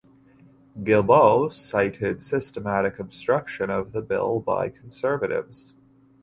Guilbeault cited "systematic obstruction" of the bill by Conservatives.